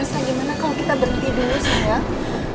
elsa gimana kalau kita berhenti dulu sayang